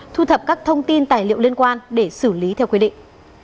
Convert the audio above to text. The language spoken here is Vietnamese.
thu thập các thông tin tài liệu liên quan để xử lý theo quy định